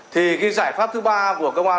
thì cái giải pháp thứ ba của công an